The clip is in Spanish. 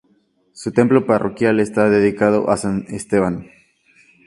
Su templo parroquial está dedicado a San Esteban.